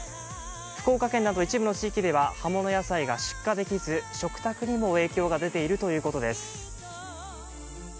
福岡県など一部の地域では葉物野菜が出荷できず食卓にも影響が出ているということです。